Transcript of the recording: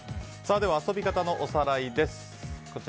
では遊び方のおさらいです。